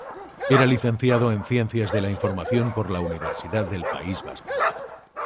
Era licenciado en Ciencias de la Información por la Universidad del País Vasco.